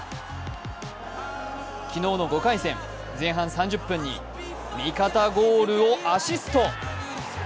昨日の５回戦、前半３０分に味方ゴールをアシスト。